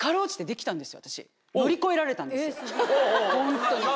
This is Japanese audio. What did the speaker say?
ホントに。